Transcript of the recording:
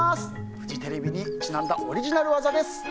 フジテレビにちなんだオリジナル技です。